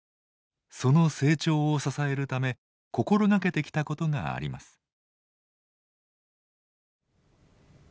その成長を支えるため心掛けてきたことがあります。